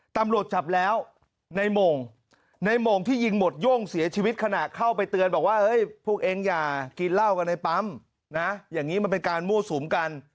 ตำรวจจับแล้วในโมงในโมงที่ยิงหมดโย่งเสียชีวิตขณะเข้าไปเตือนบอกว่าเฮ้ยพวกเองอย่ากินเหล้ากันในปั๊มนะอย่างนี้มันเป็นการมั่วสุมกัน